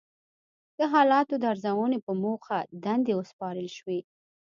د حالاتو د ارزونې په موخه دندې وسپارل شوې.